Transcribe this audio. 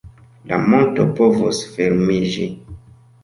La monto povus fermiĝi.